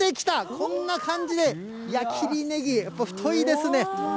こんな感じで、矢切ねぎ、やっぱ太いですね。